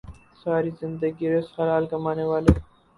ساری زندگی رزق حلال کمانے والے